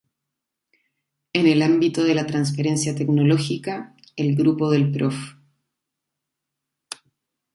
En el ámbito de la transferencia tecnológica, el grupo del Prof.